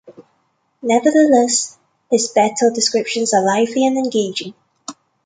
Nevertheless, his battle descriptions are lively and engaging.